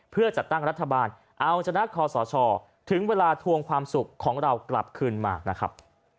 เพื่อจัดตั้งรัฐบาลเอาชนะคอสชถึงเวลาทวงความสุขของเรากลับคืนมานะครับ